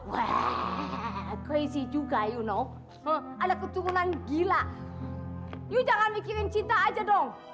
weee crazy juga you know ada keturunan gila yuu jangan mikirin cinta aja dong